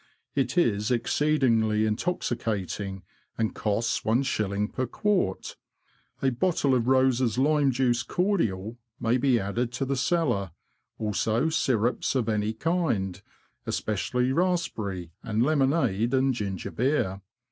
It is exceedingly intoxicating, and costs one shilling per quart. A bottle of Rose's Lime Juice Cordial may be added to the cellar, also syrups of any kind, especially raspberry, and lemonade and ginger beer.